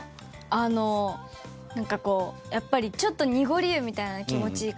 あのなんかこうやっぱりちょっと濁り湯みたいな気持ちいいから。